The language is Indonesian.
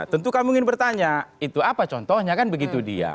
tentu kamu ingin bertanya itu apa contohnya kan begitu dia